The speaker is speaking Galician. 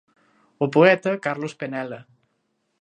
O poeta Carlos Penela.